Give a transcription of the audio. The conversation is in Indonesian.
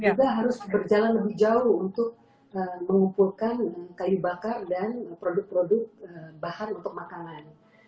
kita harus berjalan lebih jauh untuk mengumpulkan kayu bakar dan produk produk bahan untuk makanan